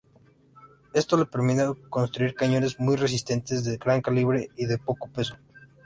Esto le permitió construir cañones, muy resistentes, de gran calibre y de poco peso.